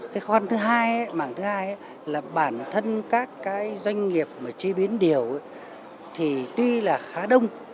cái con thứ hai mảng thứ hai là bản thân các cái doanh nghiệp mà chế biến điều thì tuy là khá đông